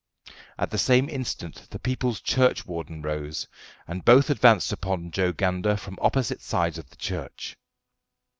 At the same instant the people's churchwarden rose, and both advanced upon Joe Gander from opposite sides of the church.